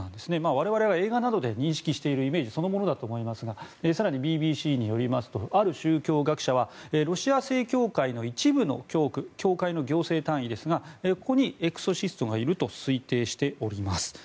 我々が映画などで認識しているイメージそのものだと思いますが更にＢＢＣによりますとある宗教学者はロシア正教会の一部の教区教会の行政単位ですがここにエクソシストがいると推定しています。